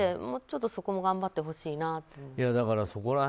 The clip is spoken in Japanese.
もうちょっとそこも頑張ってほしいなと思います。